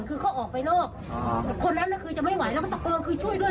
คือเขาออกไปนอกคนนั้นน่ะคือจะไม่ไหวแล้วก็ตะโกนคือช่วยด้วย